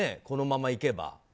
このままいけば。